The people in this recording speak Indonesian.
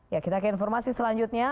ya kita ke informasi selanjutnya